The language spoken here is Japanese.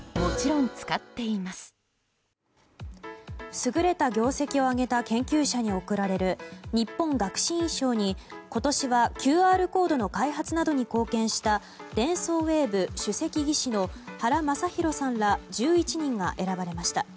優れた業績を上げた研究者に贈られる日本学士院賞に、今年はＱＲコードの開発などに貢献したデンソーウェーブ主席技師の原昌宏さんら１１人が選ばれました。